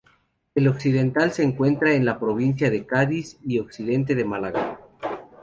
El occidental se encuentra en la provincia de Cádiz y occidente de Málaga.